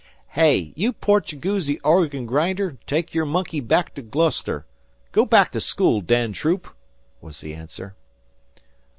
"Hey, you Portugoosy organ grinder, take your monkey back to Gloucester. Go back to school, Dan Troop," was the answer.